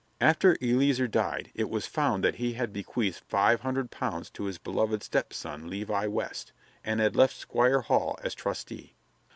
After Eleazer died it was found that he had bequeathed five hundred pounds to his "beloved stepson, Levi West," and had left Squire Hall as trustee.